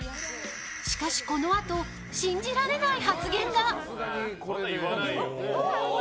しかしこのあと信じられない発言が。